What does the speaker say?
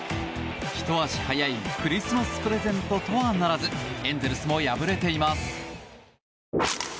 ひと足早いクリスマスプレゼントとはならずエンゼルスも敗れています。